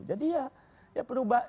jadi ya perubah